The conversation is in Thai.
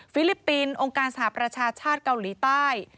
ลิปปินส์องค์การสหประชาชาติเกาหลีใต้